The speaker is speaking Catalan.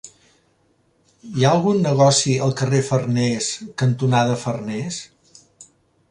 Hi ha algun negoci al carrer Farnés cantonada Farnés?